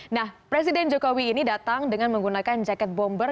nah presiden jokowi ini datang dengan menggunakan jaket bomber